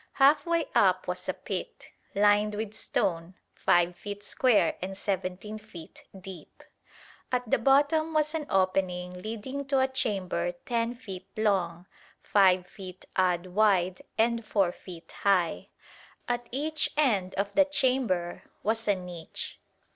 Half way up was a pit, lined with stone, 5 feet square and 17 deep. At the bottom was an opening leading to a chamber 10 feet long, 5 feet odd wide, and 4 feet high. At each end of the chamber was a niche.